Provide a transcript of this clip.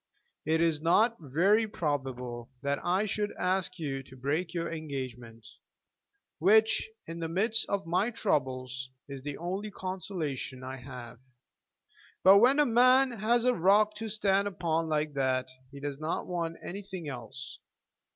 It is not very probable that I should ask you to break your engagement, which in the midst of my troubles is the only consolation I have. But when a man has a rock to stand upon like that, he does not want anything else.